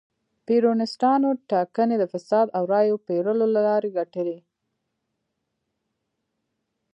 پېرونیستانو ټاکنې د فساد او رایو پېرلو له لارې ګټلې.